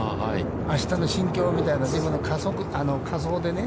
あしたの心境みたいな、自分の仮想でね。